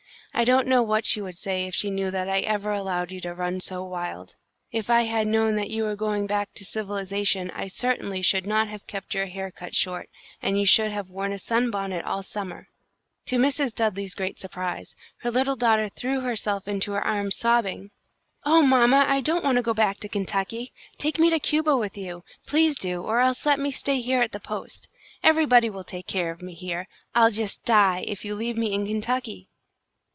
I don't know what she would say if she knew that I ever allowed you to run so wild. If I had known that you were going back to civilisation I certainly should not have kept your hair cut short, and you should have worn sunbonnets all summer." To Mrs. Dudley's great surprise, her little daughter threw herself into her arms, sobbing, "Oh, mamma! I don't want to go back to Kentucky! Take me to Cuba with you! Please do, or else let me stay here at the post. Everybody will take care of me here! I'll just die if you leave me in Kentucky!"